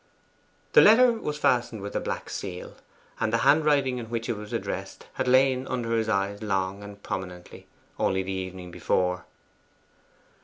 The letter was fastened with a black seal, and the handwriting in which it was addressed had lain under his eyes, long and prominently, only the evening before.